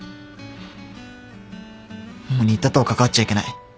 もう新田とは関わっちゃいけない。